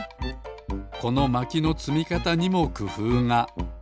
このまきのつみかたにもくふうが。